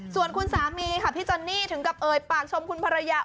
ส่วนคุณสามีค่ะพี่จอนนี่ถึงกับเอ่ยปากชมคุณภรรยา